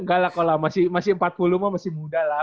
enggak lah kalau masih empat puluh mah masih muda lah